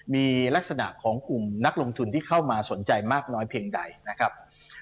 มีลักษณะของกลุ่มนักลงทุนที่เข้ามาสนใจมากน้อยเพียงใดนะครับ